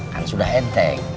kan sudah enteng